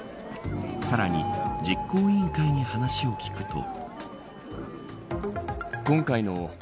さらに実行委員会に話を聞くと。